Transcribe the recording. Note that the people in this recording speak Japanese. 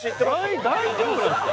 大丈夫なんですか？